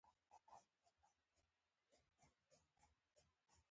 تورو د لیکلو په باره کې فکر وکړ.